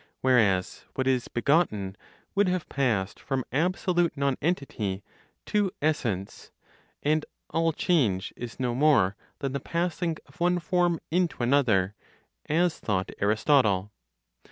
Whereas, what is begotten would have passed from absolute nonentity to essence; and all change is no more than the passing of one form into another (as thought Aristotle).